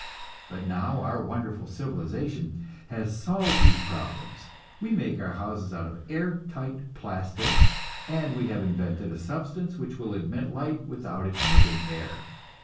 But now our wonderful civilization has solved these problems; we make our walls of air tight plaster, and we have invented a substance which will admit light without admitting air.